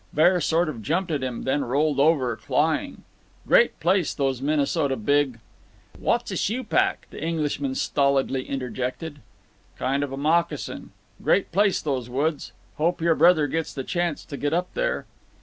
Bear sort of jumped at him, then rolled over, clawing. Great place, those Minnesota Big— "What's a shoe pack?" the Englishman stolidly interjected. "Kind of a moccasin…. Great place, those woods. Hope your brother gets the chance to get up there."